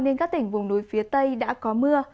nên các tỉnh vùng núi phía tây đã có mưa